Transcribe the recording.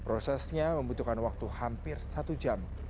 prosesnya membutuhkan waktu hampir satu jam